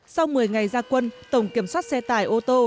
sau một mươi ngày gia quân tổng kiểm soát xe tải ô tô